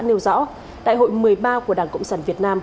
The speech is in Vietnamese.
nêu rõ đại hội một mươi ba của đảng cộng sản việt nam